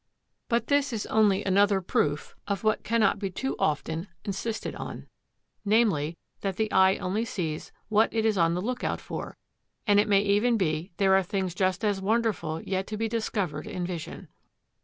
But this is only another proof of what cannot be too often insisted on, namely that the eye only sees what it is on the look out for, and it may even be there are things just as wonderful yet to be discovered in vision.